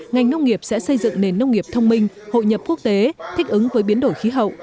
ngành nông nghiệp sẽ xây dựng nền nông nghiệp thông minh hội nhập quốc tế thích ứng với biến đổi khí hậu